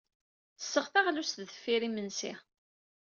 Ttesseɣ taɣlust deffir yimensi.